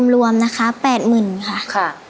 รวมนะครับแปดหมื่นค่ะ